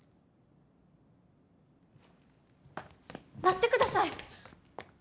待ってください！